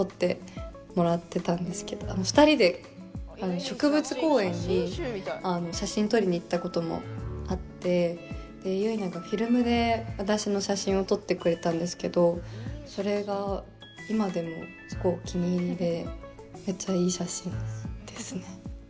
２人で植物公園に写真を撮りに行ったこともあって結菜がフィルムで私の写真を撮ってくれたんですけどそれが今でもすごいお気に入りでめっちゃいい写真ですね。